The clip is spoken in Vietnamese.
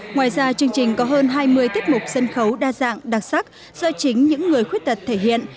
ngoài ra chương trình có hơn hai mươi tiết mục sân khấu đa dạng đặc sắc do chính những người khuyết tật thể hiện